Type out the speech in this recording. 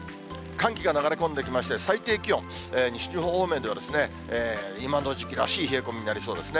寒気が流れ込んできまして、最低気温、西日本方面では今の時期らしい冷え込みになりそうですね。